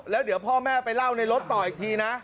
แล้วเดี๋ยวพ่อแม่ไปเล่าในรถต่ออีกทีนะ